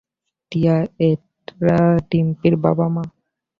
টিয়া, এরা ডিম্পির বাবা-মা।